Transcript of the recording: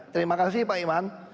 terima kasih pak iman